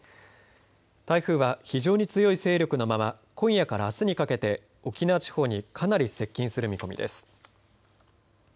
台風は非常に強い勢力のまま今夜からあすにかけて沖縄地方にかなり接近する見込みです。